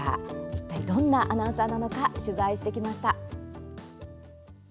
いったいどんなアナウンサーなのか取材してきました。